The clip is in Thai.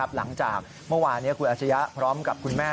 หลังจากเมื่อวานนี้คุณอาชญะพร้อมกับคุณแม่